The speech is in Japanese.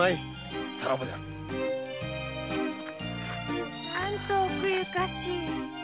ま何と奥ゆかしい。